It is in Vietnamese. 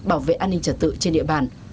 bảo vệ an ninh trật tự trên địa bàn